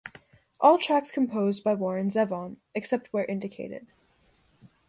All tracks composed by Warren Zevon, except where indicated.